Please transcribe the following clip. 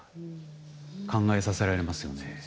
考えさせられますよね。